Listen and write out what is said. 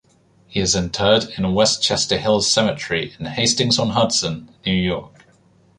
He is interred in Westchester Hills Cemetery in Hastings-on-Hudson, New York.